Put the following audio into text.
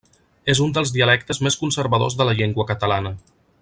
És un dels dialectes més conservadors de la llengua catalana.